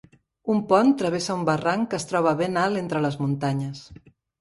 Un pont travessa un barranc que es troba ben alt entre les muntanyes.